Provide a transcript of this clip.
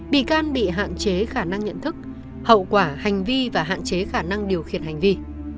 bị can bị hạn chế khả năng nhận thức hậu quả hành vi và hạn chế khả năng điều khiển hành vi